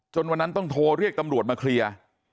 วันนั้นต้องโทรเรียกตำรวจมาเคลียร์